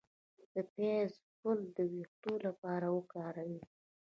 د پیاز ګل د ویښتو لپاره وکاروئ